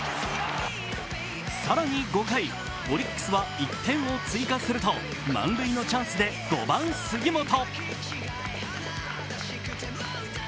更に５回、オリックスは１点を追加すると満塁のチャンスで５番・杉本。